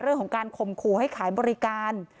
เรื่องของการข่มขู่ให้ขายบริการ